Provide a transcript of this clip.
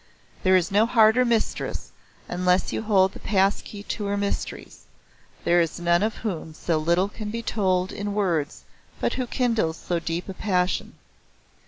There is no harder mistress unless you hold the pass key to her mysteries, there is none of whom so little can be told in words but who kindles so deep a passion.